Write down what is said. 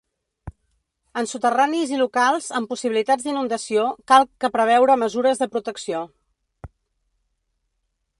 En soterranis i locals amb possibilitats d’inundació, cal que preveure mesures de protecció.